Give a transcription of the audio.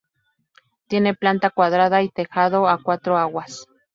Tiene planta cuadrada y tejado a cuatro aguas.